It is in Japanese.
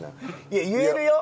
いや言えるよ。